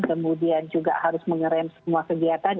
kemudian juga harus mengerem semua kegiatan